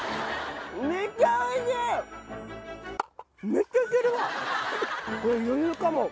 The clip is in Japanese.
めっちゃいけるわ！